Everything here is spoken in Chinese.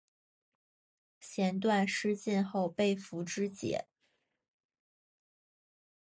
弦断矢尽后被俘支解。